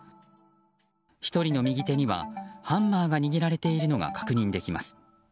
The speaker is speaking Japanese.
１人の右手にはハンマーが握られているのが確認できます。